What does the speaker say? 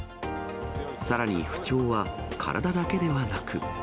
さらに不調は体だけではなく。